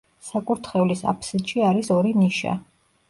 საკურთხევლის აფსიდში არის ორი ნიშა.